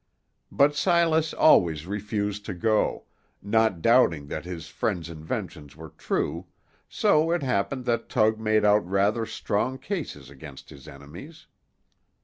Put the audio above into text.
But Silas always refused to go, not doubting that his friend's inventions were true, so it happened that Tug made out rather strong cases against his enemies.